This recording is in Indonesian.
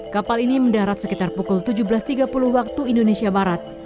kapal ini mendarat sekitar pukul tujuh belas tiga puluh waktu indonesia barat